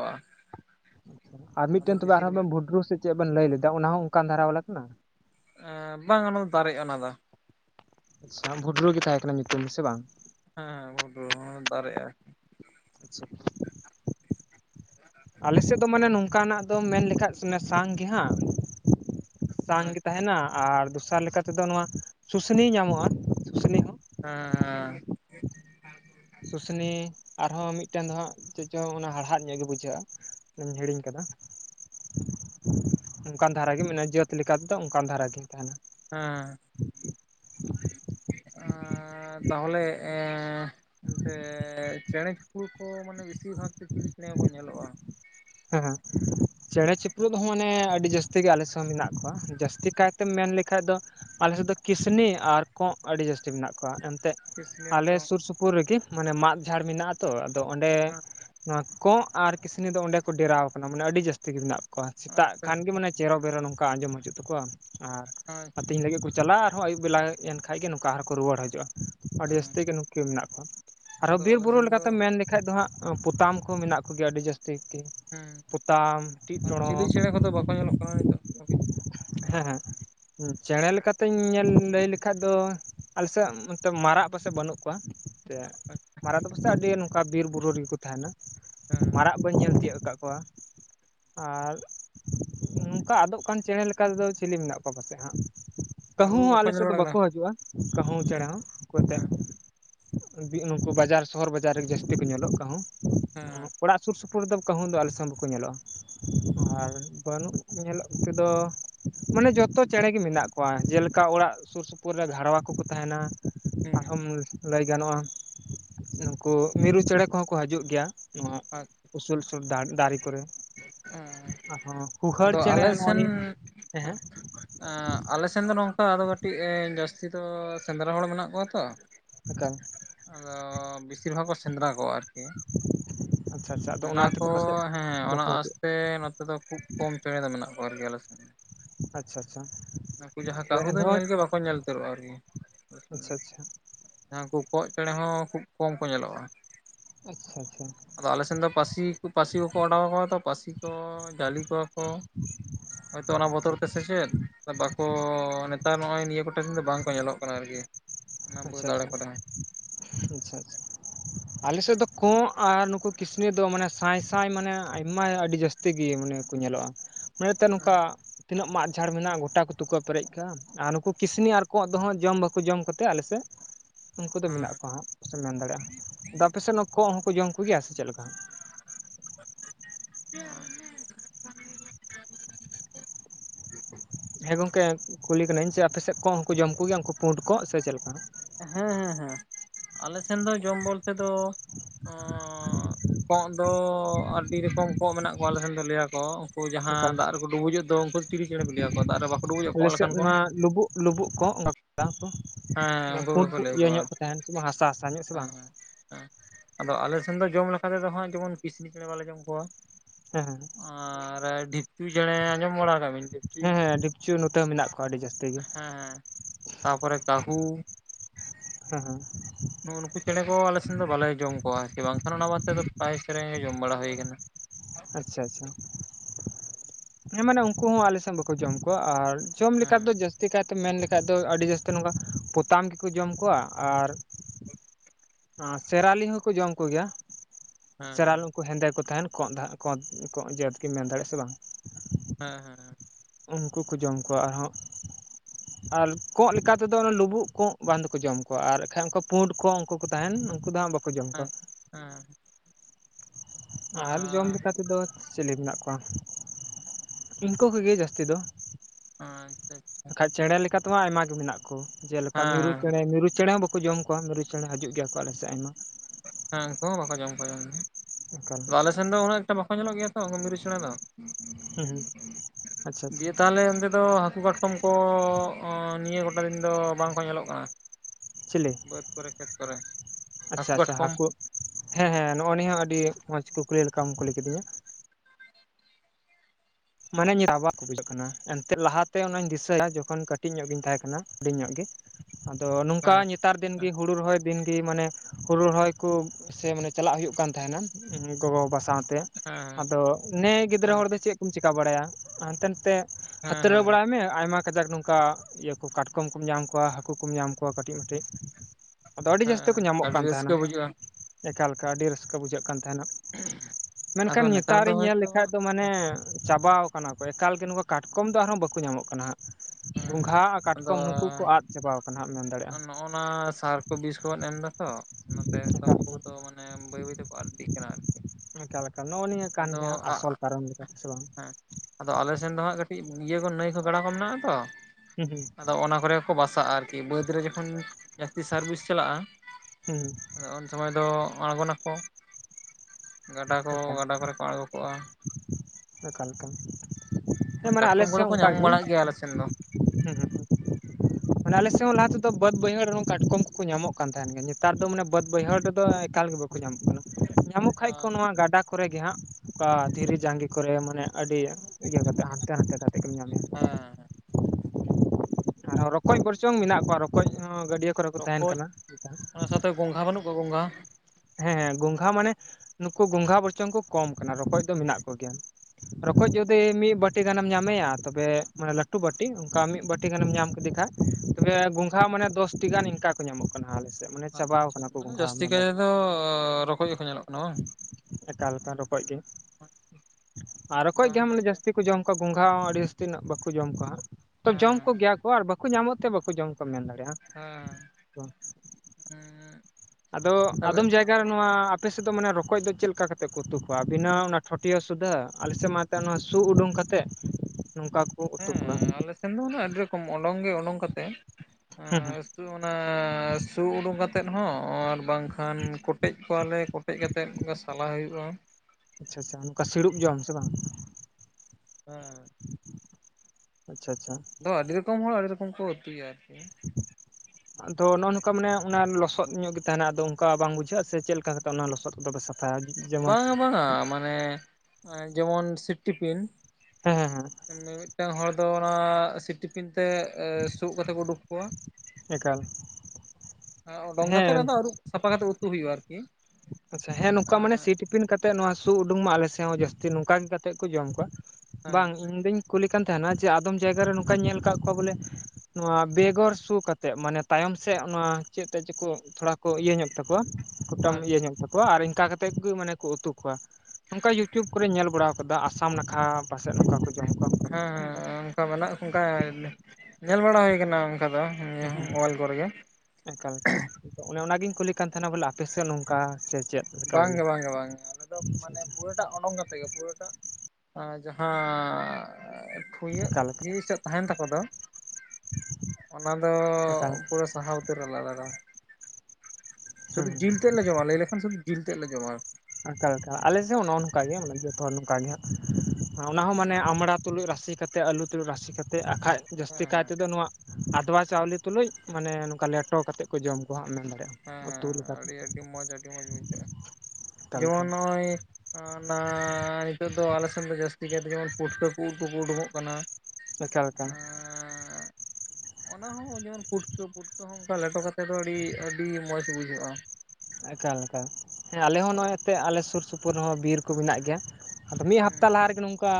ᱟᱨ ᱢᱤᱫᱴᱮᱱ ᱛᱚᱵᱮ ᱟᱨᱦᱚᱸ, ᱵᱷᱩᱰᱨᱩ ᱥᱮ ᱪᱮᱫ ᱵᱮᱱ ᱞᱟᱹᱭ ᱞᱮᱫᱟ, ᱚᱱᱟ ᱦᱚᱸ ᱚᱱᱠᱟᱱ ᱫᱷᱟᱨᱟ ᱵᱟᱞᱟ ᱠᱟᱱᱟ? ᱮᱸ ᱵᱟᱝ ᱚᱱᱟ ᱫᱚ, ᱫᱟᱨᱮᱜᱼᱟ ᱚᱱᱟ ᱫᱚ᱾ ᱥᱟᱢ, ᱵᱷᱩᱰᱨᱩ ᱜᱮ ᱛᱟᱦᱮᱸ ᱠᱟᱱᱟ ᱧᱩᱛᱩᱢ, ᱥᱮ ᱵᱟᱝ? ᱦᱮᱸ, ᱦᱮᱸ, ᱵᱷᱩᱰᱨᱩ ᱦᱚ ᱫᱟᱨᱮᱜ-ᱟ᱾ ᱟᱪᱪᱷᱟ, ᱚ [unintelligible] ᱟᱞᱮ ᱥᱮᱫ ᱫᱚ ᱢᱟᱱᱮ ᱱᱚᱝᱠᱟᱱᱟᱜ ᱫᱚ, ᱢᱮᱱ ᱞᱮᱠᱷᱟᱱ ᱥᱟᱝ ᱜᱮ ᱦᱟᱸᱜ᱾ ᱥᱟᱝ ᱜᱮ ᱟᱪᱪᱷᱟ ᱛᱟᱦᱮᱸᱱᱟ, ᱟᱨ ᱫᱚᱥᱟᱨ ᱞᱮᱠᱟ ᱛᱮᱫᱚ, ᱱᱚᱶᱟ ᱥᱩᱥᱱᱤ ᱧᱟᱢᱚᱜᱼᱟ᱾ ᱥᱩᱥᱱᱤ ᱦᱚᱸ ᱦᱮᱸ, ᱥᱩᱥᱱᱤ, ᱟᱨᱦᱚᱸ ᱢᱤᱫᱴᱮᱱ ᱫᱚ ᱦᱟᱸᱜ, ᱪᱮᱫ ᱪᱚᱝ ᱚᱱᱟ, ᱦᱟᱲᱦᱟᱫ ᱧᱚᱜ ᱜᱮ ᱵᱩᱡᱷᱟᱹᱜᱼᱟ᱾ ᱤᱧ ᱦᱤᱲᱤᱧ ᱠᱟᱫᱟ᱾ ᱚᱱᱠᱟᱱ ᱫᱷᱟᱨᱟ ᱜᱮ ᱢᱮᱱᱟᱜᱼᱟ, ᱡᱟᱹᱛ ᱞᱮᱠᱟ ᱛᱮᱫᱚ, ᱚᱱᱠᱟᱱ ᱫᱷᱟᱨᱟ ᱜᱮ ᱛᱟᱦᱮᱸᱱᱟ᱾ ᱦᱮᱸ, ᱟᱨ ᱛᱟᱦᱚᱞᱮ ᱮᱸ ᱮᱚᱱᱛᱮ ᱪᱮᱬᱮ ᱪᱤᱯᱲᱩ ᱠᱚ, ᱢᱟᱱᱮ ᱵᱤᱥᱤᱨ ᱵᱷᱜ ᱫᱚ, ᱪᱤᱞᱤ ᱪᱮᱬᱮ ᱠᱚᱠᱚ ᱧᱮᱞᱚᱜᱼᱟ? ᱦᱮᱸᱪᱮᱬᱮ ᱪᱤᱯᱨᱩᱫ ᱫᱚ, ᱢᱟᱱᱮ ᱟᱹᱰᱤ ᱡᱟᱹᱥᱛᱤ ᱜᱮ, ᱟᱞᱮ ᱥᱮ ᱦᱚᱸ ᱢᱮᱱᱟᱜ ᱠᱚᱣᱟ ᱡᱟᱹᱥᱛᱤ ᱠᱟᱭᱛᱮᱢ ᱢᱮᱱ ᱞᱮᱠᱷᱟᱱᱡ ᱫᱚ, ᱟᱞᱮ ᱥᱮᱫ ᱫᱚ ᱠᱤᱥᱱᱤ ᱟᱨ ᱠᱚᱜ ᱟᱹᱰᱤ ᱡᱟᱹᱥᱛᱤ ᱢᱮᱱᱟᱜ ᱠᱚᱣᱟ ᱮᱱᱛᱮᱜ᱾ ᱠᱤᱥᱱᱤᱨ ᱟᱞᱮ ᱠᱚ ᱥᱩᱨ ᱥᱩᱯᱩᱨ ᱨᱮᱜᱤ, ᱢᱟᱱᱮ ᱢᱟᱜ ᱡᱷᱟᱲ ᱢᱮᱱᱟᱜ ᱟᱛᱚ ᱟᱫᱚ ᱚᱸᱰᱮ ᱦᱮᱸ ᱱᱚᱶᱟ ᱠᱚᱜ ᱟᱨ ᱠᱤᱥᱱᱤ ᱫᱚ ᱚᱸᱰᱮ ᱠᱚ ᱰᱮᱨᱟᱣ ᱠᱟᱱᱟ, ᱢᱟᱱᱮ ᱟᱹᱰᱤ ᱡᱟᱹᱥᱛᱤ ᱜᱮ ᱢᱮᱱᱟᱜ ᱠᱚᱣᱟ, ᱥᱮᱛᱟᱜ ᱟᱪᱪᱷᱟ ᱠᱷᱟᱱ ᱜᱮ ᱢᱟᱱᱮ ᱪᱮᱨᱚ ᱵᱮᱨᱚ ᱱᱚᱝᱠᱟ ᱟᱸᱡᱚᱢ ᱦᱤᱡᱩᱜ ᱛᱟᱠᱚᱣᱟ, ᱟᱨ ᱟᱪᱪᱷᱟ ᱟᱛᱮᱧ ᱞᱟᱹᱜᱤᱫ ᱠᱚ ᱪᱟᱞᱟᱜᱼᱟ, ᱟᱨᱦᱚᱸ ᱟᱹᱭᱩᱵ ᱵᱮᱞᱟ ᱮᱱ ᱠᱷᱟᱱ ᱜᱮ, ᱱᱚᱝᱠᱟ ᱟᱨᱚᱸ ᱠᱚ ᱨᱩᱣᱟᱹᱲ ᱦᱤᱡᱩᱜᱼᱟ ᱟᱹᱰᱤ ᱦᱮᱸ ᱡᱟᱹᱥᱛᱤ ᱜᱮ ᱱᱩᱠᱩ ᱢᱮᱱᱟᱜ ᱠᱚᱶᱟ᱾ ᱟᱫᱚ ᱟᱨᱚᱸ ᱵᱤᱨ ᱟᱞᱮ ᱵᱩᱨᱩ ᱥᱮᱱ ᱫᱚ ᱞᱮᱠᱟᱛᱮᱢ, ᱢᱮᱱ ᱞᱮᱠᱷᱟᱡ ᱫᱚ ᱦᱟᱸᱜ ᱯᱚᱛᱟᱢ ᱠᱚ, ᱢᱮᱱᱟᱜ ᱠᱚᱜᱮᱭᱟ ᱟᱹᱰᱤ ᱡᱟᱹᱥᱛᱤ᱾ ᱦᱮᱸ ᱯᱚᱛᱟᱢ ᱴᱤᱜ ᱟᱨ ᱪᱤᱞᱤ ᱴᱚᱲᱚᱜ, ᱪᱮᱬᱮ ᱠᱚᱫᱚ ᱵᱟᱠᱚ ᱧᱮᱞᱚᱜ ᱠᱟᱱᱟ ᱱᱤᱛᱚᱜ ᱦᱟᱹᱵᱤᱡ ᱦᱮᱸ, ᱦᱮᱸ᱾ ᱪᱮᱬᱮ ᱞᱮᱠᱟᱛᱤᱧ ᱧᱮᱞ, ᱞᱟᱹᱭ ᱞᱮᱠᱷᱟᱡ ᱫᱚ ᱟᱞᱮ ᱥᱮᱫ ᱢᱟᱨᱟᱜ ᱯᱟᱥᱮ, ᱵᱟᱹᱱᱩᱜ ᱠᱚᱣᱟ᱾ ᱢᱟᱨᱟᱜ ᱫᱚ ᱯᱟᱥᱮᱡ ᱟᱹᱰᱤ, ᱱᱚᱝᱠᱟ ᱵᱤᱨ ᱵᱩᱨᱩ ᱨᱮᱜᱮ ᱠᱚ ᱛᱟᱦᱮᱸᱱᱟ, ᱟᱪᱪᱷᱟ ᱢᱟᱨᱟᱜ ᱵᱟᱹᱧ ᱧᱮᱞ ᱛᱤᱭᱟᱹᱜ ᱠᱟᱜ ᱠᱚᱣᱟ᱾ ᱟᱨ ᱱᱚᱝᱠᱟ ᱟᱫᱚᱜ ᱠᱟᱱ, ᱪᱮᱬᱮ ᱞᱮᱠᱟ ᱛᱮᱫᱚ ᱪᱮᱞᱮ ᱢᱮᱱᱟᱜ ᱠᱚᱶᱟ, ᱯᱟᱥᱮᱡ ᱦᱟᱸᱜ ᱠᱟᱹᱦᱩ ᱦᱚᱸ ᱟᱞᱮ ᱧᱮᱞ ᱥᱮᱫ ᱫᱚ ᱵᱟᱲᱟ ᱠᱟᱱᱟ ᱵᱟᱠᱚ ᱦᱤᱡᱩᱜᱼᱟ, ᱠᱟᱹᱦᱩ ᱪᱮᱬᱮ ᱟᱪᱪᱷᱟ ᱦᱚᱸ ᱟᱠᱚ ᱮᱛᱮᱜ ᱱᱩᱠᱩ ᱵᱟᱡᱟᱨ ᱥᱚᱦᱚᱨ ᱵᱟᱡᱟᱨ ᱨᱮᱜᱮ, ᱡᱟᱹᱥᱛᱤ ᱠᱚ ᱧᱮᱞᱚᱜ, ᱠᱟᱹᱦᱩ ᱦᱮᱸ ᱚᱲᱟᱜ, ᱥᱩᱨ ᱥᱩᱯᱩᱨ ᱨᱮᱫᱚ ᱠᱟᱹᱦᱩ ᱫᱚ ᱟᱞᱮᱥᱮᱫ ᱵᱟᱠᱚ ᱧᱮᱞᱚᱜᱼᱟ, ᱟᱨ ᱵᱟᱹᱱᱩᱜ ᱧᱮᱞᱚᱜ ᱛᱮᱫᱚ ᱢᱟᱱᱮ ᱡᱚᱛᱚ ᱪᱮᱬᱮ ᱜᱮ ᱢᱮᱱᱟᱜ ᱠᱚᱣᱟ, ᱡᱮᱞᱮᱠᱟ ᱚᱲᱟᱜ ᱥᱩᱨ ᱥᱩ ᱯᱩᱨ ᱨᱮ ᱜᱷᱟᱨᱣᱟ ᱠᱚᱠᱚ ᱛᱟᱸᱦᱮᱱᱟ, ᱦᱩᱸ ᱟᱨᱦᱚ ᱞᱟᱹᱭ ᱜᱟᱱᱚᱜᱼᱟ ᱱᱩᱠᱩ ᱢᱤᱨᱩ ᱪᱮᱬᱮ ᱠᱚᱦᱚᱸ ᱠᱚ ᱦᱤᱡᱩᱜ ᱜᱮᱭᱟ᱾ ᱟᱪᱪᱷᱟ [inaudible] ᱩᱥᱩᱞ ᱩᱥᱩᱞ ᱫᱟ ᱫᱟᱨᱮ ᱠᱚᱨᱮ ᱟᱨᱦᱚᱸ ᱦᱩᱦᱟᱹᱨ ᱟᱫᱚ ᱪᱮᱬᱮ ᱱᱚᱜ ᱱᱤᱭᱟᱹ ᱦᱮᱸ ᱮᱸᱜ ᱟᱞᱮ ᱥᱮᱱ ᱫᱚ ᱱᱚᱝᱠᱟ ᱠᱟᱹᱴᱤᱡ ᱡᱟᱹᱥᱛᱤ ᱫᱚ ᱥᱮᱸᱫᱽᱨᱟ ᱦᱚᱲ ᱢᱮᱱᱟᱜ ᱠᱚᱣᱟ ᱛᱚ᱾ ᱮᱠᱟᱞ, ᱟᱫᱚ ᱵᱮᱥᱤᱨ ᱵᱷᱟᱜᱽ ᱠᱚ ᱥᱮᱸᱫᱽᱨᱟ ᱠᱚᱣᱟ ᱟᱨᱠᱤ᱾ ᱟᱪᱪᱷᱟ ᱟᱪᱪᱷᱟ ᱟᱫᱚ ᱚᱱᱟ ᱛᱮᱠᱚ ᱠᱚ ᱯᱟᱥᱮᱡ ᱦᱮᱸ ᱚᱱᱟ ᱵᱟᱠᱚ ᱦᱤᱡᱩᱜᱼᱟ ᱟᱥᱛᱮ ᱱᱚᱛᱮ ᱫᱚ ᱠᱷᱩᱵ ᱠᱚᱢ ᱪᱮᱬᱮ ᱫᱚ ᱢᱮᱱᱟᱜ ᱠᱚᱣᱟ ᱟᱨᱠᱤ ᱟᱞᱮ ᱥᱮᱫ ᱫᱚ᱾ ᱟᱪᱪᱷᱟ ᱟᱪᱪᱷᱟ ᱱᱩᱠᱩ ᱡᱟᱦᱟᱸ ᱛᱚᱵᱮ ᱠᱟᱹᱦᱩ ᱫᱚ ᱮᱱᱦᱚᱸ ᱧᱮᱞ ᱜᱮ ᱵᱟᱠᱚ ᱧᱮᱞ ᱩᱛᱟᱹᱨᱚᱜᱼᱟ ᱟᱨᱠᱤ᱾ ᱟᱪᱪᱷᱟ ᱟᱪᱪᱷᱟ᱾ ᱡᱟᱸᱦᱟ ᱠᱩ ᱠᱚᱜ ᱪᱮᱬᱮ ᱦᱚᱸ ᱠᱷᱩᱵ ᱠᱚᱢ ᱠᱚ ᱧᱮᱞᱚᱜᱼᱟ᱾ ᱟᱪᱪᱷᱟ ᱟᱪᱪᱷᱟ᱾ ᱟᱫᱚ ᱟᱞᱮᱥᱮᱱ ᱫᱚ ᱯᱟᱹᱥᱤ ᱠᱚ ᱯᱟᱹᱥᱤ ᱠᱚᱠᱚ ᱚᱰᱟᱣᱚᱣᱟ ᱛᱚ ᱯᱟᱹᱥᱤ ᱠᱚ ᱡᱟᱹᱞᱤ ᱠᱚ ᱛᱚ ᱦᱚᱭᱛᱚ ᱚᱱᱟ ᱵᱚᱛᱚᱨ ᱟᱪᱪᱷᱟ ᱛᱮ ᱥᱮ ᱪᱮᱫ᱾ ᱵᱟᱠᱚ ᱱᱮᱛᱟᱨ ᱱᱚᱜᱼᱚᱭ ᱱᱤᱭᱟᱹ ᱠᱚᱴᱟ ᱫᱤᱱ ᱫᱚ ᱵᱟᱝ ᱠᱚ ᱧᱮᱞᱚᱜ ᱠᱟᱱᱟ ᱟᱨᱠᱤ᱾ ᱚᱱᱟ ᱟᱪᱪᱷᱟ ᱵᱟᱹᱫᱽ ᱟᱲᱮ ᱟᱪᱪᱷᱟ, ᱠᱚᱨᱮ ᱦᱚᱸ ᱟᱪᱪᱷᱟ ᱟᱪᱪᱷᱟ᱾ ᱟᱞᱮ ᱥᱮᱫ ᱫᱚ ᱠᱚᱜ ᱟᱨ ᱱᱩᱠᱩ ᱠᱤᱥᱱᱤ ᱫᱚ ᱢᱟᱱᱮ ᱥᱟᱸᱭ ᱥᱟᱸᱭ ᱢᱟᱱᱮ ᱟᱭᱢᱟ ᱟᱹᱰᱤ ᱡᱟᱹᱥ ᱛᱮᱜᱮ ᱢᱟᱱᱮ ᱠᱚ ᱧᱮᱞᱚᱜᱼᱟ, ᱢᱟᱱᱮᱛᱚ ᱱᱚᱝᱠᱟ ᱛᱤᱱᱟᱹᱜ ᱢᱟᱫ ᱡᱷᱟᱲ ᱢᱮᱱᱟᱜᱼᱟ ᱜᱚᱴᱟ ᱠᱚ ᱛᱩᱠᱟᱹ ᱯᱮᱨᱮᱡ ᱠᱟᱜᱼᱟ, ᱟᱨ ᱱᱩᱠᱩ ᱠᱤᱥᱱᱤ ᱟᱨ ᱠᱚᱸᱜ ᱫᱚ ᱦᱟᱸᱜ ᱡᱚᱢ ᱵᱟᱠᱚ ᱡᱚᱢ ᱠᱚ ᱛᱮ ᱟᱞᱮ ᱥᱮᱫ ᱩᱱᱠᱩ ᱫᱚ ᱢᱮᱱᱟᱜ ᱦᱮᱸ ᱠᱚᱣᱟ ᱦᱟᱸᱜ ᱥᱮ ᱢᱮᱱ ᱫᱟᱲᱮᱭᱟᱜᱼᱟ, ᱟᱫᱚ ᱟᱯ ᱥᱮᱫ ᱠᱚᱸᱜ ᱦᱚᱸᱠᱚ ᱡᱚᱢ ᱠᱚᱜᱭᱟ ᱥᱮ ᱪᱮᱫ ᱞᱮᱠᱟ? [unintelligible] ᱦᱮᱸ ᱜᱚᱝᱠᱮ ᱠᱩᱞᱤ ᱠᱟᱹᱱᱟᱹᱧ ᱥᱮ ᱟᱯᱮᱥᱮᱫ ᱠᱚᱜ ᱦᱚᱸᱠᱚ ᱡᱚᱢ ᱠᱚᱜᱮᱭᱟ ᱩᱱᱠᱩ ᱯᱩᱸᱰ ᱠᱚ ᱥᱮ ᱪᱮᱫ ᱞᱮᱠᱟ? ᱦᱮᱸ ᱦᱮᱸ ᱦᱮᱸ ᱟᱞᱮ ᱥᱮᱱ ᱫᱚ ᱡᱚᱢ ᱵᱚᱞᱛᱮ ᱫᱚ ᱚᱸᱻ ᱠᱚᱸᱜ ᱫᱚ ᱟᱹᱰᱤ ᱨᱚᱠᱚᱢ ᱠᱚᱸᱜ ᱢᱮᱱᱟᱜ ᱠᱚᱣᱟ ᱟᱞᱮ ᱥᱮᱱ ᱫᱚ ᱞᱟᱹᱭᱟ ᱠᱚ, ᱩᱱᱠᱩ ᱮᱠᱟᱞ ᱡᱟᱦᱟᱸ ᱫᱟᱜ ᱨᱮᱠᱚ ᱰᱩᱵᱩᱡᱚᱜ ᱫᱚ ᱩᱱᱠᱩ ᱪᱤᱞᱤ ᱪᱮᱬᱮ ᱯᱮ ᱞᱟᱹᱭᱟᱣᱟ ᱫᱟᱜ ᱨᱮ ᱵᱟ ᱟᱞᱮᱥᱮᱫ ᱢᱟ ᱞᱩᱵᱩᱜ ᱞᱩᱵᱩᱜ ᱠᱚᱜ ᱚᱱᱠᱟ ᱠᱚ ᱦᱮᱸ ᱚᱱᱟ ᱩᱱᱠᱩ ᱯᱩᱰ ᱜᱮᱠᱚ ᱞᱟᱹᱭ ᱤᱭᱟᱹ ᱠᱚᱣᱟ ᱧᱚᱜ ᱠᱚ ᱛᱟᱸᱦᱮᱱ ᱥᱮ ᱵᱟᱝ ᱦᱟᱥᱟ ᱦᱟᱥᱟ ᱧᱚᱜ ᱥᱮ ᱦᱮᱸ ᱵᱟᱝ? ᱦᱮᱸ ᱦᱮᱸ ᱟᱫᱚ ᱟᱞᱮ ᱥᱮᱱ ᱫᱚ ᱡᱚᱢ ᱞᱮᱠᱟ ᱛᱮᱫᱚ ᱦᱟᱸᱜ ᱡᱮᱢᱚᱱ ᱠᱤᱥᱱᱤ ᱪᱮᱬᱮ ᱵᱟᱞᱮ ᱡᱚᱢ ᱠᱚᱣᱟ᱾ ᱦᱮᱸ ᱦᱮᱸ᱾ ᱟᱨ ᱰᱷᱤᱯᱪᱩᱭ ᱪᱮᱬᱮ ᱟᱸᱡᱚᱢ ᱵᱟᱲᱟ ᱟᱠᱟᱜ ᱵᱤᱱ? ᱰᱷᱤᱯᱪᱩᱭ ᱦᱮᱸ ᱦᱮᱸ ᱰᱷᱤᱯᱪᱩᱭ ᱱᱩ ᱦᱮᱸ ᱦᱮᱸ ᱛᱟᱯᱚᱨᱮ ᱠᱟᱹᱦᱩ ᱦᱮᱸ ᱦᱮᱸ᱾ ᱱᱩ ᱱᱩᱠᱩ ᱪᱮᱬᱮ ᱠᱚ ᱟᱞᱮᱥᱮᱱ ᱫᱚ ᱵᱟᱞᱮ ᱡᱚᱢ ᱠᱚᱣᱟ ᱟᱨᱠᱤ ᱵᱟᱝᱠᱷᱟᱱ ᱚᱱᱟ ᱵᱟᱫ ᱛᱮ ᱫᱚ ᱯᱨᱟᱭ ᱪᱮᱬᱮ ᱡᱚᱢ ᱵᱟᱲᱟ ᱦᱩᱭ ᱠᱟᱱᱟ᱾ ᱟᱪᱪᱷᱟ ᱟᱪᱪᱷᱟ ᱦᱮᱸ ᱢᱟᱱᱮ ᱩᱱᱠᱩ ᱦᱚᱸ ᱟᱞᱮᱥᱮᱫ ᱵᱟᱠᱚ ᱡᱚᱢ ᱠᱚᱣᱟ, ᱟᱨ ᱡᱚᱢ ᱞᱮᱠᱟ ᱫᱚ ᱦᱮᱸ ᱡᱟᱹᱥᱛᱤ ᱠᱟᱭᱛᱮ ᱢᱮᱱ ᱞᱮᱠᱷᱟᱡ ᱫᱚ ᱟᱹᱰᱤ ᱡᱟᱹᱥᱛᱤ ᱱᱚᱝᱠᱟ ᱯᱚᱛᱟᱢ ᱜᱮᱠᱚ ᱡᱚᱢ ᱠᱚᱣᱟ ᱟᱨ ᱥᱮᱨᱟᱞᱤ ᱦᱚᱸᱠᱚ ᱡᱚᱢ ᱠᱚᱜᱮᱭᱟ ᱥᱮᱨᱟᱞᱩ ᱦᱮᱸ ᱠᱚ ᱦᱮᱸᱫᱮ ᱠᱚ ᱛᱟᱦᱮᱱ ᱠᱚᱸᱜ ᱫᱟᱜ ᱠᱚᱸᱫᱽ ᱠᱚᱜ ᱡᱟᱹᱛ ᱜᱮᱢ ᱢᱮᱱ ᱫᱟᱲᱮᱭᱟᱜᱼᱟ ᱥᱮ ᱵᱟᱝ᱾ ᱦᱮᱸ ᱦᱮᱸ‌ ᱦᱮᱸ᱾ ᱩᱱᱠᱩ ᱠᱚ ᱡᱚᱢ ᱠᱚᱣᱟ, ᱟᱨᱦᱚᱸ ᱟᱨ ᱠᱚᱸᱜ ᱞᱮᱠᱟᱛᱮᱫᱚ ᱚᱱᱟ ᱞᱩᱵᱩᱜ ᱠᱚᱸᱜ ᱵᱟᱝ ᱫᱚᱠᱚ ᱡᱚᱢ ᱠᱚᱣᱟ ᱟᱨ ᱠᱷᱟᱡ ᱩᱱᱠᱩ ᱯᱩᱰ ᱠᱚᱜ ᱩᱱᱠᱩ ᱠᱚ ᱛᱟᱦᱮᱱ ᱩᱱᱠᱩ ᱫᱚ ᱦᱟᱸᱜ ᱵᱟ ᱦᱮᱸ ᱦᱮᱸ᱾ ᱟᱨ ᱡᱚᱢ ᱦᱮᱸ ᱞᱮᱠᱟ ᱛᱮᱫᱚ ᱪᱤᱞᱤ ᱢᱮᱱᱟᱜ ᱠᱚᱣᱟ ᱤᱱᱠᱩ ᱠᱚᱜᱮ ᱡᱟᱹᱥᱛᱤ ᱫᱚ ᱟᱪᱪᱷᱟ ᱟᱪᱪᱷᱟ ᱵᱟᱠᱷᱟᱡ ᱪᱮᱬᱮ ᱞᱮᱠᱟ ᱛᱮᱢᱟ ᱟᱭᱢᱟ ᱜᱮ ᱢᱮᱱᱟᱜ ᱠᱚ ᱡᱮᱞᱮᱠᱟ ᱦᱮᱸ ᱢᱤᱨᱩ ᱦᱮᱸ ᱪᱮᱬᱮ ᱢᱤᱨᱩ ᱪᱮᱬᱮ ᱦᱚᱸ ᱵᱟᱠᱚ ᱡᱚᱢ ᱠᱚᱣᱟ ᱢᱤᱨᱩ ᱪᱮᱬᱮ ᱦᱤᱡᱩᱜ ᱜᱮᱭᱟ ᱠᱚ ᱟᱞᱮ ᱥᱮᱫ ᱟᱭᱢᱟ ᱦᱮᱸ ᱩᱱᱠᱩ ᱦᱚᱸ ᱵᱟᱠᱚ ᱡᱚᱢ ᱠᱚᱣᱟ ᱡᱚᱢ ᱫᱚ ᱮᱠᱟᱞ ᱟᱫᱚ ᱟᱞᱮ ᱥᱮᱱ ᱫᱚ ᱩᱱᱟᱹᱜ ᱮᱠᱴᱟ ᱵᱟᱠᱚ ᱧᱮᱞᱚᱜ ᱜᱮᱭᱟ ᱛᱚ ᱩᱱᱠᱩ ᱢᱤᱨᱩ ᱪᱮᱬᱮ ᱫᱚ ᱦᱩᱸ ᱦᱩᱸ ᱟᱪᱪᱷᱟ [inaudible] ᱟᱪᱪᱷᱟ ᱫᱤᱭᱮ ᱛᱟᱦᱚᱞᱮ ᱚᱱᱛᱮ ᱫᱚ ᱦᱟᱹᱠᱩ ᱠᱟᱴ ᱠᱚᱢ ᱠᱚ ᱱᱤᱭᱟᱹ ᱜᱚᱴᱟ ᱫᱤᱱ ᱫᱚ ᱵᱟᱝ ᱠᱚ ᱧᱮᱞᱚᱜ ᱠᱟᱱᱟ ᱪᱮᱞᱮ ᱵᱟᱹᱫᱽ ᱠᱚᱨᱮ ᱠᱷᱮᱛ ᱠᱚᱨᱮ ᱟᱪᱪᱷᱟ ᱟᱪᱪᱷᱟ ᱦᱟᱹᱠᱩ ᱦᱮᱸ ᱦᱮᱸ ᱱᱚᱜ-ᱚ ᱱᱤᱭᱟᱹ ᱦᱚᱸ ᱟᱹᱰᱤ ᱢᱚᱸᱡᱽ ᱠᱩᱠᱞᱤ ᱞᱮᱠᱟᱢ ᱠᱩᱞᱤ ᱠᱤᱫᱤᱧᱟ ᱢᱟᱱᱮ [inaudible] ᱠᱚ ᱵᱩᱡᱷᱟᱹᱜ ᱠᱟᱱᱟ ᱮᱱᱛᱮ ᱞᱟᱦᱟᱛᱮ ᱚᱱᱟᱧ ᱫᱤᱥᱟᱹᱭᱟ ᱡᱚᱠᱷᱚᱱ ᱠᱟᱹᱴᱤᱡ ᱧᱚᱜ ᱜᱤᱧ ᱛᱟᱦᱮᱸ ᱠᱟᱱᱟ ᱦᱩᱰᱤᱧ ᱧᱚᱜ ᱜᱮ ᱟᱫᱚ ᱱᱚᱝᱠᱟ ᱦᱮᱸ ᱱᱮᱛᱟᱨ ᱫᱤᱱᱜᱤ ᱦᱮᱸ ᱦᱩᱲᱩ ᱨᱚᱦᱚᱭ ᱫᱤᱱᱜᱤ ᱢᱟᱱᱮ ᱦᱩᱲᱩ ᱨᱚᱦᱚᱭ ᱠᱩ ᱥᱮ ᱢᱟᱱᱮ ᱪᱟᱞᱟᱜ ᱦᱩᱭᱩᱜ ᱠᱟᱱ ᱛᱟᱦᱮᱱᱟ ᱜᱚᱜᱚ ᱵᱟᱵᱟ ᱥᱟᱶᱛᱮ ᱛᱮ ᱦᱮᱸ ᱟᱫᱚ ᱱᱮ ᱜᱤᱫᱽᱨᱟᱹ ᱦᱮᱸ ᱦᱮᱸ ᱦᱚᱲ ᱫᱚ ᱪᱮᱫ ᱠᱚᱢ ᱪᱮᱠᱟ ᱵᱟᱲᱟᱭᱟ ᱦᱟᱱᱛᱮ ᱱᱟᱛᱮ ᱦᱮᱸ ᱦᱟᱸᱛᱲᱟᱹᱣ ᱦᱮᱸ ᱵᱟᱲᱟᱭ ᱢᱮ ᱟᱭᱢᱟ ᱠᱟᱡᱟᱠ ᱱᱚᱝᱠᱟ ᱤᱭᱟᱹ ᱠᱚ ᱠᱟᱴᱠᱚᱢ ᱠᱚᱢ ᱧᱟᱢ ᱠᱚᱣᱟ ᱦᱟᱹᱠᱩ ᱠᱚᱢ ᱧᱟᱢ ᱠᱚᱣᱟ ᱠᱟᱹᱴᱤᱡ ᱢᱟᱹᱴᱤᱡ ᱟᱫᱚ ᱟᱹᱰᱤ ᱡᱟᱹᱥᱛᱤ ᱠᱚ ᱦᱮᱸ ᱧᱟᱢᱚᱜ ᱟᱹᱰᱤ ᱠᱟᱱ ᱛᱟᱦᱮᱱᱟ ᱨᱟᱹᱥᱠᱟᱹ ᱵᱩᱡᱷᱟᱹᱜᱼᱟ ᱮᱠᱟᱞ ᱮᱠᱟᱞ ᱟᱹᱰᱤ ᱨᱟᱹᱥᱠᱟᱹ ᱵᱩᱡᱷᱟᱹᱜ ᱠᱟᱱ ᱛᱟᱦᱮᱱᱟ ᱟᱫᱚ ᱢᱮᱱᱠᱷᱟᱱ ᱱᱮᱛᱟᱨ ᱫᱚ ᱤᱧ ᱧᱮᱞ ᱦᱳᱭᱛᱳ ᱞᱮᱠᱷᱟᱡ ᱫᱚ ᱢᱟᱱᱮ ᱪᱟᱵᱟᱣ ᱠᱟᱱᱟ ᱠᱚ ᱮᱠᱟᱞ ᱜᱮ ᱱᱚᱝᱠᱟ ᱠᱟᱴᱠᱚᱢ ᱫᱚ ᱟᱨᱦᱚᱸ ᱵᱟᱠᱚ ᱧᱟᱢᱚᱜ ᱠᱟᱱᱟ ᱦᱟᱸᱜ ᱦᱮᱸ ᱜᱚᱝᱜᱷᱟ ᱟᱨ ᱟᱫᱚ ᱠᱟᱴᱠᱚᱢ ᱱᱩᱠᱩ ᱠᱚ ᱟᱫ ᱪᱟᱵᱟᱣ ᱠᱟᱱᱟ ᱦᱟᱸᱜ ᱢᱮᱱ ᱫᱟᱲᱮᱭᱟᱜᱼᱟ ᱱᱚᱜ-ᱚ ᱱᱚᱣᱟ ᱥᱟᱨ ᱠᱚ ᱵᱤᱥ ᱠᱚᱵᱚᱱ ᱮᱢ ᱫᱟ ᱛᱚ ᱚᱱᱟ ᱛᱮ ᱦᱚᱭᱛᱚ ᱮᱠᱟᱞ ᱩᱱᱠᱩ ᱞᱮᱠᱟ ᱫᱚ ᱢᱟᱱᱮ ᱵᱟᱹᱭ ᱵᱟᱹᱭ ᱛᱮᱠᱚ ᱟᱫ ᱤᱫᱤᱜ ᱠᱟᱱᱟ ᱟᱨᱠᱤ ᱮᱠᱟᱞ ᱮᱠᱟᱞ ᱱᱚᱜᱼᱚ ᱱᱤᱭᱟᱹ ᱠᱟᱱ ᱟᱫᱚ ᱜᱮᱭᱟ ᱦᱟᱸᱜ ᱟᱥᱚᱞ ᱠᱟᱨᱚᱱ ᱞᱮᱠᱟ ᱛᱮ ᱥᱮ ᱵᱟᱝ ᱦᱮᱸ ᱟᱫᱚ ᱟᱞᱮ ᱥᱮᱱ ᱫᱚ ᱦᱟᱸᱜ ᱠᱟᱹᱴᱤᱡ ᱤᱭᱟᱹ ᱠᱚ ᱱᱟᱹᱭ ᱠᱚ ᱜᱟᱲᱟ ᱠᱚ ᱢᱮᱱᱟᱜᱼᱟ ᱛᱚ ᱦᱩᱸ ᱦᱩᱸ ᱟᱫᱚ ᱚᱱᱟ ᱠᱚᱨᱮ ᱜᱮ ᱠᱚ ᱵᱟᱥᱟᱜᱼᱟ ᱟᱨᱠᱤ ᱵᱟᱹᱫᱽ ᱨᱮ ᱡᱚᱠᱷᱚᱱ ᱡᱟᱹᱥᱛᱤ ᱥᱟᱨ ᱵᱤᱥ ᱪᱟᱞᱟᱜᱼᱟ ᱦᱩᱸ ᱟᱫᱚ ᱩᱱ ᱥᱚᱢᱚᱭ ᱫᱚ ᱟᱬᱜᱚᱱᱟᱠᱚ ᱜᱟᱰᱟ ᱠᱚ ᱮᱠᱟᱞ ᱜᱟᱰᱟ ᱠᱚᱨᱮ ᱠᱚ ᱟᱬᱜᱚ ᱠᱚᱜᱼᱟ ᱮᱠᱟᱞ ᱮᱠᱟᱞ ᱦᱮᱸ ᱢᱟᱱᱮ ᱟᱞᱮ ᱠᱟᱴᱠᱚᱢ ᱠᱚᱫᱚ ᱥᱮᱫ ᱠᱚ ᱦᱚᱸ ᱚᱱᱠᱟ ᱧᱟᱢ ᱜᱮ ᱦᱩᱸᱜ-ᱩ ᱵᱟᱲᱟᱜ ᱜᱮᱭᱟ ᱟᱞᱮ ᱥᱮᱱ ᱫᱚ ᱢᱟᱱᱮ ᱟᱞᱮᱥᱮᱫ ᱦᱚᱸ ᱞᱟᱦᱟ ᱛᱮᱫᱚ ᱵᱟᱹᱫᱽ ᱵᱟᱹᱭᱦᱟᱹᱲ ᱨᱮᱦᱚᱸ ᱠᱟᱴᱠᱚᱢ ᱠᱚᱠᱚ ᱧᱟᱢᱚᱜ ᱠᱟᱱ ᱛᱟᱦᱮᱱ ᱜᱮᱭᱟ ᱱᱮᱛᱟᱨ ᱫᱚ ᱢᱟᱱᱮ ᱵᱟᱹᱫ ᱵᱟᱹᱭᱦᱟᱹᱲ ᱨᱮᱫᱚ ᱮᱠᱟᱞ ᱜᱮ ᱵᱟᱠᱚ ᱧᱟᱢᱚᱜ ᱠᱟᱱᱟ ᱧᱟᱢᱚᱜ ᱠᱷᱟᱡ ᱠᱚ ᱱᱚᱣᱟ ᱜᱟᱰᱟ ᱠᱚᱨᱮ ᱜᱮ ᱦᱟᱸᱜ ᱚᱝᱠᱟ ᱫᱷᱤᱨᱤ ᱡᱟᱸᱜᱤ ᱠᱚᱨᱮ ᱢᱟᱱᱮ ᱟᱹᱰᱤ ᱤᱭᱟᱹ ᱠᱟᱛᱮ ᱦᱟᱱᱛᱮ ᱱᱟᱛᱮ ᱠᱟᱛᱮᱫ ᱠᱟᱛᱮ ᱠᱚ ᱧᱟᱢᱮᱫ ᱠᱚᱣᱟ ᱦᱮᱸ ᱨᱚᱠᱚᱡ ᱵᱚᱨᱪᱚᱝ ᱢᱮᱱᱟᱜ ᱠᱚᱣᱟ ᱨᱚᱠᱚᱡ ᱜᱟᱹᱰᱭᱟᱹ ᱠᱚᱨᱮ ᱠᱚ ᱛᱟᱦᱮᱱ ᱨᱚᱠᱚᱡ ᱠᱟᱱᱟ ᱚᱱᱟ ᱥᱟᱶᱛᱮ ᱜᱚᱝᱜᱷᱟ ᱵᱟᱹᱱᱩᱜ ᱠᱚᱣᱟ ᱜᱚᱝᱜᱷᱟ ᱦᱮᱸ ᱦᱮᱸ ᱜᱚᱝᱜᱷᱟ ᱢᱟᱱᱮ ᱱᱩᱠᱩ ᱜᱚᱝᱜᱷᱟ ᱵᱚᱨᱪᱚᱝ ᱠᱚ ᱠᱚᱢ ᱠᱟᱱᱟ ᱨᱚᱠᱚᱡ ᱫᱚ ᱢᱮᱱᱟᱜ ᱠᱚᱜᱮᱭᱟ ᱨᱚᱠᱚᱡ ᱡᱚᱫᱤ ᱢᱤᱫ ᱵᱟᱴ ᱴᱤ ᱜᱟᱱᱮᱢ ᱧᱟᱢᱮᱭᱟ ᱛᱚᱵᱮ ᱢᱟᱱᱮ ᱞᱟᱹᱴᱩ ᱵᱟᱹᱴᱤ ᱚᱱᱠᱟ ᱢᱤᱫ ᱵᱟᱹᱴᱤ ᱜᱟᱱᱮᱢ ᱧᱟᱢ ᱠᱮᱫᱮ ᱠᱷᱟᱡ ᱛᱚᱵᱮ ᱜᱚᱝᱜᱷᱟ ᱢᱟᱱᱮ ᱫᱚᱥᱴᱤ ᱜᱟᱱ ᱤᱱᱠᱟ ᱠᱚ ᱧᱟᱢᱚᱜᱼᱟ ᱠᱟᱱᱟ ᱟᱞᱮ ᱥᱮᱫ ᱢᱟᱱᱮ ᱟᱪᱪᱷᱟ ᱪᱟᱵᱟᱣ ᱟᱪᱪᱷᱟ ᱠᱟᱱᱟ ᱠᱚ ᱢᱟᱱᱮ ᱜᱚᱝᱜᱷᱟ ᱡᱟᱹᱥᱛᱤ ᱢᱮᱱ ᱠᱟᱭ ᱫᱟᱲᱮᱭᱟᱜᱼᱟ ᱛᱮᱫᱚ ᱨᱚᱠᱚᱡ ᱜᱮᱠᱚ ᱧᱮᱞᱚᱜ ᱠᱟᱱᱟ ᱵᱟᱝ ᱮᱠᱟᱞ ᱮᱠᱟᱞ ᱨᱚᱠᱚᱡ ᱜᱮ ᱟᱨ ᱨᱚᱠᱚᱡ ᱜᱮ ᱛᱟᱦᱚᱞᱮ ᱵᱚᱞᱮ ᱦᱮᱸ ᱡᱟᱹᱥᱛᱤ ᱠᱚ ᱡᱚᱢ ᱠᱚᱣᱟ ᱜᱚᱝᱜᱷᱟ ᱦᱚᱸ ᱟᱹᱰᱤ ᱡᱟᱹᱥᱛᱤ ᱫᱚ ᱱᱟᱜ ᱵᱟᱠᱚ ᱡᱚᱢ ᱠᱚᱣᱟ ᱦᱟᱸᱜ ᱛᱚ ᱡᱚᱢ ᱠᱚ ᱜᱮᱭᱟ ᱠᱚ ᱟᱨ ᱵᱟᱠᱚ ᱧᱟᱢᱚᱜ ᱛᱮ ᱵᱟᱠᱚ ᱡᱚᱢ ᱛᱚᱢ ᱢᱮᱱ ᱫᱟᱲᱮᱭᱟᱜᱼᱟ ᱦᱮᱸ, ᱩᱸᱻ ᱟᱫᱚ ᱟᱫᱚᱢ ᱡᱟᱭᱜᱟ ᱨᱮ ᱱᱚᱣᱟ ᱟᱯᱮ ᱥᱮᱫ ᱫᱚ ᱢᱟᱱᱮ ᱨᱚᱠᱚᱡ ᱫᱚ ᱪᱮᱫ ᱞᱮᱠᱟ ᱠᱟᱛᱮᱫ ᱠᱚ ᱩᱛᱩ ᱠᱚᱣᱟ ᱵᱤᱱᱟᱹ ᱚᱱᱟ ᱴᱷᱚᱴᱭᱚ ᱥᱩᱫᱷᱟᱹ? ᱟᱞᱮ ᱥᱮᱫ ᱢᱟ ᱢᱟ ᱥᱩ ᱩᱰᱩᱝ ᱠᱟᱛᱮᱫ ᱱᱚᱝᱠᱟ ᱠᱚ ᱩᱛᱩ ᱦᱮᱸ ᱠᱚᱣᱟ ᱾ [inaudible] ᱫᱚ ᱟᱹᱰᱤ ᱨᱚᱠᱚᱢ ᱚᱰᱚᱝ ᱜᱮ ᱚᱰᱳᱝ ᱠᱟᱛᱮ ᱾ [inaudible] ᱮᱸ [unintelligible] ᱚᱱᱟ ᱥᱩ ᱩᱰᱩᱝ ᱠᱟᱛᱮᱫ ᱦᱚᱸ ᱟᱨ ᱵᱟᱝᱠᱷᱟᱱ ᱠᱚᱴᱮᱡ ᱠᱚᱣᱟᱞᱮ ᱾ ᱠᱚᱴᱮᱡ ᱠᱟᱛᱮᱫ ᱜᱮ ᱥᱟᱞᱟ ᱦᱩᱭᱩᱜᱼᱟ ᱾ ᱟᱪᱪᱷᱟ ᱟᱪᱪᱷᱟ ᱚᱝᱠᱟ ᱥᱤᱲᱩᱯ ᱡᱚᱢ ᱥᱮ ᱵᱟᱝ? ᱦᱮᱸ ᱾ ᱟᱪᱪᱷᱟ ᱟᱪᱪᱷᱟ ᱾ ᱟᱫᱚ ᱟᱹᱰᱤ ᱨᱚᱠᱚᱢ ᱦᱚᱲ ᱟᱹᱰᱤ ᱨᱚᱠᱚᱢ ᱠᱚ ᱩᱛᱩᱭᱟ ᱟᱨᱠᱤ ᱾ [inaudible] ᱟᱫᱚ ᱱᱚᱜᱼᱚ ᱱᱚᱝᱠᱟ ᱢᱟᱱᱮ ᱚᱱᱟ ᱞᱚᱥᱚᱫ ᱧᱚᱜ ᱜᱮ ᱛᱟᱦᱮᱱᱟ ᱟᱫᱚ ᱚᱱᱠᱟ ᱵᱟᱝ ᱵᱩᱡᱷᱟᱹᱜᱼᱟ ᱥᱮ ᱪᱮᱫ ᱞᱮᱠᱟ ᱠᱟᱛᱮ ᱚᱱᱟ ᱞᱚᱥᱚᱫ ᱠᱚᱫᱚ ᱯᱮ ᱥᱟ ᱵᱟᱝᱟ ᱵᱟᱝᱟ ᱢᱟᱱᱮ ᱡᱮᱢᱚᱱ ᱥᱤᱯᱴᱤᱯᱤᱱ ᱾ ᱦᱮᱸ ᱦᱮᱸ ᱦᱮᱸ ᱾ ᱢᱤ ᱢᱤᱫᱴᱟᱝ ᱦᱚᱲ ᱫᱚ ᱚᱱᱟ ᱥᱤᱯᱴᱤᱯᱤᱱ ᱛᱮ ᱥᱩᱜ ᱠᱟᱛᱮ ᱠᱚ ᱩᱰᱩᱠ ᱠᱚᱣᱟ ᱾ ᱮᱠᱟᱞ ᱾ ᱚᱰᱚᱝ ᱠᱟᱛᱮᱫ ᱟᱫᱚ ᱟᱹᱨᱩᱵ ᱥᱟᱯᱷᱟ ᱠᱟᱛᱮᱫ ᱩᱛᱩ ᱦᱩᱭᱩᱜᱼᱟ ᱟᱨᱠᱤ ᱾ ᱟᱪᱪᱷᱟ ᱦᱮᱸ ᱱᱚᱝᱠᱟ ᱢᱟᱱᱮ ᱥᱤᱴᱤᱯᱤᱱ ᱠᱟᱛᱮ ᱱᱚᱣᱟ ᱥᱩ ᱩᱰᱩᱝ ᱢᱟ ᱟᱞᱮ ᱥᱮᱫ ᱦᱚᱸ ᱡᱟᱹᱥᱛᱤ ᱱᱚᱝᱠᱟ ᱜᱮ ᱠᱟᱛᱮᱫ ᱠᱚ ᱡᱚᱢ ᱠᱚᱣᱟ ᱾ ᱦᱮᱸ ᱵᱟᱝ ᱤᱧ ᱫᱩᱧ ᱠᱩᱞᱤ ᱠᱟᱱ ᱛᱟᱦᱮᱱᱟ ᱡᱮ ᱟᱫᱚᱢ ᱡᱟᱭᱜᱟ ᱨᱮ ᱱᱚᱝᱠᱟᱹᱧ ᱧᱮᱞ ᱟᱠᱟᱫ ᱠᱚᱣᱟ ᱵᱚᱞᱮ ᱱᱚᱣᱟ ᱵᱮᱜᱚᱨ ᱥᱩ ᱠᱟ ᱠᱟᱛᱮᱫ, ᱢᱟᱱᱮ ᱛᱟᱭᱚᱢ ᱥᱮᱫ ᱱᱚᱣᱟ ᱪᱮᱫ ᱛᱮᱫ ᱪᱚᱠᱚ ᱛᱷᱚᱲᱟ ᱠᱚ ᱤᱭᱟᱹ ᱧᱚᱜ ᱛᱟᱠᱚᱣᱟ, ᱠᱩᱴᱟᱢ ᱤᱭᱟᱹ ᱧᱚᱜ ᱛᱟᱠᱚᱣᱟ ᱟᱨ ᱤᱱᱠᱟ ᱠᱟᱛᱮᱫ ᱜᱮ ᱢᱟᱱᱮ ᱠᱚ ᱩᱛᱩ ᱠᱚᱣᱟ ᱾ ᱱᱚᱝᱠᱟ ᱤᱭᱩᱴᱤᱭᱩᱵᱽ ᱠᱚᱨᱮᱧ ᱧᱮᱞ ᱵᱟᱲᱟ ᱟᱠᱟᱫᱟ ᱟᱥᱟᱢ ᱱᱟᱠᱷᱟ ᱯᱟᱥᱮᱡ ᱱᱚᱝᱠᱟ ᱠᱚ ᱡᱚᱢ ᱠᱚᱣᱟ ᱾ ᱦᱮᱸ ᱦᱮᱸ ᱚᱱᱠᱟ ᱢᱮᱱᱟᱜ ᱠᱚ ᱚᱱᱠᱟ ᱧᱮᱞ ᱵᱟᱲᱟ ᱦᱩᱭ ᱠᱟᱱᱟ ᱚᱝᱠᱟ ᱫᱚ ᱢᱚᱵᱟᱭᱤᱞ ᱠᱚᱨᱮ ᱜᱮ ᱾ ᱮᱠᱟᱞ ᱮᱠᱟᱞ ᱮᱛᱮ ᱚᱱᱮ ᱚᱱᱟᱜᱤᱧ ᱠᱩᱞᱤ ᱠᱟᱱ ᱛᱟᱦᱮᱱᱟ ᱵᱚᱞᱮ ᱟᱯᱮ ᱥᱮᱫ ᱱᱚᱝᱠᱟ ᱥᱮ ᱪᱮᱫ ᱾ ᱵᱟᱝᱜᱮ ᱵᱟᱝᱜᱮ ᱵᱟᱝᱜᱮ, ᱟᱞᱮ ᱫᱚ ᱢᱟᱱᱮ ᱯᱩᱨᱟᱹ ᱴᱟᱜ ᱚᱰᱚᱝ ᱠᱟᱛᱮ ᱜᱮ, ᱯᱩᱨᱟᱹᱴᱟᱜ ᱡᱟᱦᱟᱸ ᱴᱷᱩᱭᱟᱹᱜ ᱮᱠᱟᱞ ᱡᱤᱱᱤᱥ ᱴᱟᱜ ᱛᱟᱦᱮᱱ ᱛᱟᱠᱚ ᱫᱚ ᱚᱱᱟ ᱫᱚ ᱮᱠᱟᱞ ᱯᱩᱨᱟᱹ ᱥᱟᱦᱟ ᱩᱛᱟᱨᱟᱞᱮ ᱟᱞᱮ ᱫᱚ ᱾ ᱦᱩᱸ ᱥᱩᱫᱩ ᱡᱤᱞ ᱛᱮᱫ ᱞᱮ ᱡᱚᱢᱟ ᱞᱟᱹᱭ ᱞᱮᱠᱷᱟᱱ ᱥᱩᱫᱩ ᱡᱤᱞ ᱛᱮᱫ ᱞᱮ ᱡᱚᱢᱟ ᱾ ᱮᱠᱟᱞ ᱮᱠᱟᱞ ᱟᱞᱮ ᱥᱮᱫ ᱦᱚᱸ ᱱᱚᱜᱼᱚ ᱱᱚᱝᱠᱟ ᱜᱮ ᱢᱟᱱᱮ ᱡᱚᱛᱚ ᱦᱚᱲ ᱱᱚᱝᱠᱟ ᱜᱮ ᱦᱟᱸᱜ ᱾ ᱚᱱᱟ ᱦᱚᱸ ᱢᱟᱱᱮ ᱦᱮᱸ ᱟᱢᱵᱽᱲᱟ ᱛᱩᱞᱩᱡ ᱨᱟᱥᱮ ᱠᱟᱛᱮᱫ, ᱟᱹᱞᱩ ᱛᱩᱞᱩᱡ ᱨᱟᱥᱮ ᱠᱟᱛᱮᱫ, ᱟᱠᱷᱟᱡ ᱡᱟᱹᱥᱛᱤ ᱦᱮᱸ ᱠᱟᱭ ᱛᱮᱫᱚ ᱱᱚᱣᱟ ᱟᱫᱽᱣᱟ ᱪᱟᱣᱞᱮ ᱛᱩᱞᱩᱡ ᱢᱟᱱᱮ ᱱᱚᱝᱠᱟ ᱞᱮᱴᱚ ᱠᱟᱛᱮᱫ ᱠᱚ ᱡᱚᱢ ᱠᱚᱣᱟ ᱦᱟᱸᱜ ᱢᱮᱱ ᱫᱟᱲᱮᱜᱼᱟᱢ ᱾ ᱦᱮᱸ ᱦᱮᱸ ᱟᱹᱰᱤ ᱟᱹᱰᱤ ᱢᱚᱸᱡᱽ ᱟᱹᱰᱤ ᱢᱚᱸᱡᱽ ᱵᱩᱡᱷᱟᱹᱜᱼᱟ ᱾ ᱮᱠᱟᱞ ᱮᱠᱟᱞ ᱡᱮᱢᱚᱱ ᱱᱚᱜᱼᱚᱭ ᱚᱱᱟ ᱱᱤᱛᱚᱜ ᱫᱚ ᱟᱞᱮ ᱥᱮᱱ ᱫᱚ ᱡᱟᱹᱥᱛᱤ ᱠᱟᱭᱛᱮ ᱡᱮᱢᱚᱱ ᱯᱩᱴᱠᱟᱹ ᱠᱚ ᱩᱫ ᱠᱚᱠᱚ ᱩᱰᱩᱝᱚᱜ ᱠᱟᱱᱟ ᱾ ᱮᱠᱟᱞ ᱮᱠᱟᱞ ᱾ ᱚᱱᱟ ᱦᱚᱸ ᱡᱮᱢᱚᱱ ᱯᱩᱴᱠᱟᱹ ᱯᱩᱴᱠᱟᱹ ᱦᱚᱸ ᱚᱱᱠᱟ ᱞᱮᱴᱚ ᱠᱟᱛᱮᱫ ᱫᱚ ᱟᱹᱰᱤ ᱟᱹᱰᱤ ᱢᱚᱸᱡᱽ ᱵᱩᱡᱷᱟᱹᱜᱼᱟ ᱾ ᱮᱠᱟᱞ ᱮᱠᱟᱞ ᱦᱮᱸ ᱟᱞᱮ ᱦᱚᱸ ᱱᱚᱜᱼᱚᱭ ᱮᱱᱛᱮ ᱟᱞᱮ ᱥᱩᱨ ᱥᱩᱯᱩᱨ ᱨᱮᱦᱚᱸ ᱵᱤᱨ ᱠᱚ ᱢᱮᱱᱟᱜ ᱜᱮᱭᱟ ᱾ ᱟᱫᱚ ᱢᱤᱫ ᱦᱩᱸ ᱦᱟᱯᱛᱟ ᱞᱟᱦᱟ ᱨᱮᱜᱮ ᱱᱚᱝᱠᱟ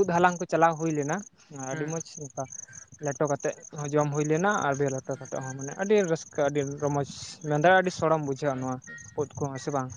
ᱩᱫ ᱦᱟᱞᱟᱝ ᱠᱚ ᱪᱟᱞᱟᱣ ᱦᱩᱭ ᱞᱮᱱᱟ ᱾ ᱟᱹᱰᱤ ᱦᱩᱸ ᱢᱚᱸᱡᱽ ᱚᱱᱠᱟ ᱞᱮᱴᱚ ᱠᱟᱛᱮᱫ ᱦᱚᱸ ᱡᱚᱢ ᱦᱩᱭ ᱞᱮᱱᱟ ᱟᱨ ᱵᱮ ᱞᱮᱴᱚ ᱠᱟᱛᱮᱫ ᱦᱚᱸ ᱢᱟᱱᱮ ᱟᱹᱰᱤ ᱨᱟᱹᱥᱠᱟᱹ ᱟᱹᱰᱤ ᱨᱚᱢᱚᱡᱽ ᱢᱮᱱᱫᱟ ᱟᱹᱰᱤ ᱥᱚᱲᱚᱢ ᱵᱩᱡᱷᱟᱹᱜᱼᱟ ᱱᱚᱣᱟ ᱟᱪᱪᱷᱟ ᱩᱫ ᱠᱚᱦᱚᱸ ᱥᱮ ᱵᱟᱝ?